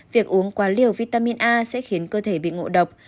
việc uống quá liều vitamin a sẽ khiến cơ thể bị ngộ độc